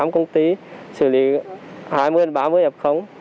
năm công ty xử lý hai mươi ba mươi f